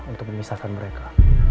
untuk memisahkan mereka